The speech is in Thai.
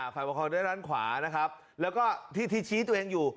ฝ่ายประคองด้วยด้านขวานะครับแล้วก็ที่ที่ชี้ตัวเองอยู่